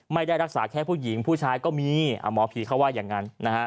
ไม่ได้รักษาแค่ผู้หญิงผู้ชายก็มีหมอผีเขาว่าอย่างนั้น